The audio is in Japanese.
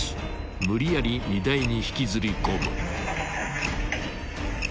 ［無理やり荷台に引きずり込む］